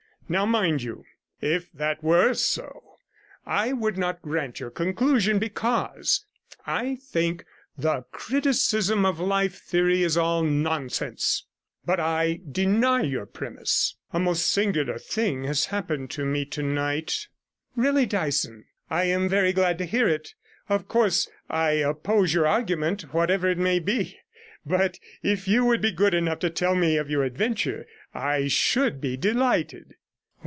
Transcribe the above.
Now, mind you, if that were so, I would not grant your conclusion, because I think the "criticism of life" theory is all nonsense; but I deny your premiss. A most singular thing has happened to me to night.' 'Really, Dyson, I am very glad to hear it. Of course, I oppose your argument, whatever it may be; but if you would be good enough to tell me of your adventure, I should be delighted.'